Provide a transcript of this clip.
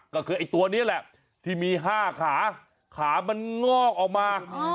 ก็คือไอ้ตัวนี้แหละที่มี๕ขาขามันงอกออกมา